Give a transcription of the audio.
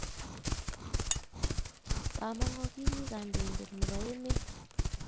Bamongo kikikandoinget nebo emet